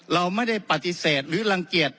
เราไม่ได้ปฏิเสธหรือรังเกียจ